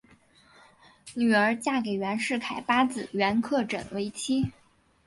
女儿嫁给袁世凯八子袁克轸为妻。